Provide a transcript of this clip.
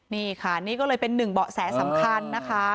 นี่ค่ะนี่ก็เลยเป็นหนึ่งเบาะแสสำคัญนะคะ